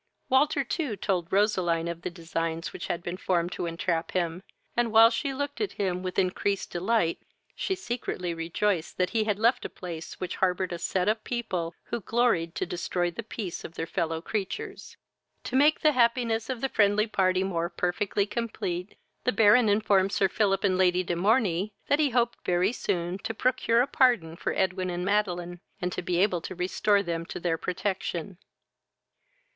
Walter, too, told Roseline of the designs which had been formed to entrap him, and, while she looked at him with increased delight, she secretly rejoiced that he had left a place which harboured a set of people who gloried to destroy the peace of their fellow creatures. To make the happiness of the friendly party more perfectly complete, the Baron informed Sir Philip and Lady de Morney that he hoped very soon to procure a pardon for Edwin and Madeline, and to be able to restore them to their protection.